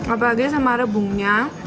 apalagi sama rebungnya